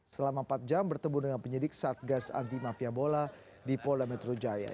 selama empat jam bertemu dengan penyidik satgas anti mafia bola di polda metro jaya